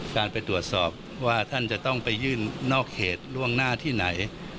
การไปตรวจสอบว่าท่านจะต้องไปยื่นนอกเขตล่วงหน้าที่ไหน